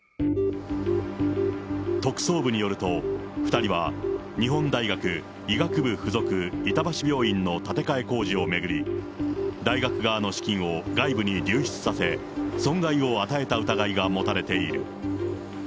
特捜部によると、２人は日本大学医学部附属板橋病院の建て替え工事を巡り、大学側の資金を外部に流出させ、損害を与えた疑いが持たれている。